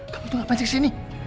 kamu tuh ngapain sih kesini